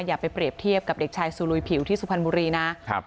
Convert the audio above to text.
อย่าไปเปรียบเทียบกับเด็กชายสุลุยผิวที่สุพรรณบุรีนะครับ